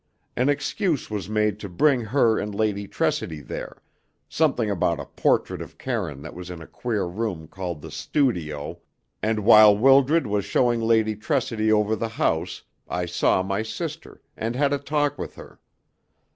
An excuse was made to bring her and Lady Tressidy there something about a portrait of Karine that was in a queer room called the 'studio' and while Wildred was showing Lady Tressidy over the house I saw my sister, and had a talk with her.